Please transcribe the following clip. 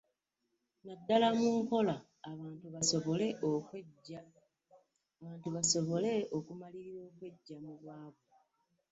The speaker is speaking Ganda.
Naddala mu nkola abantu basobole okumalirira okweggya mu bwavu